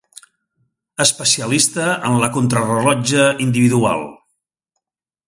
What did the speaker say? Especialista en la contrarellotge individual.